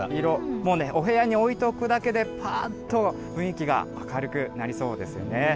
もうね、お部屋に置いておくだけで、ぱーっと雰囲気が明るくなりそうですよね。